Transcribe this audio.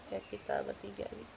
ya kita bertiga